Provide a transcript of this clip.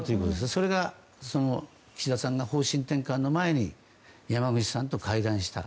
それが、岸田さんが方針転換の前に山口さんと会談をした。